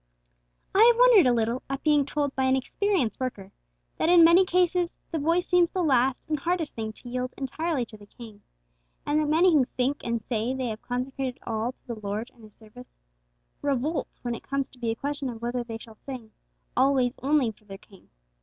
'_ I have wondered a little at being told by an experienced worker, that in many cases the voice seems the last and hardest thing to yield entirely to the King; and that many who think and say they have consecrated all to the Lord and His service, 'revolt' when it comes to be a question of whether they shall sing 'always, only,' for their King.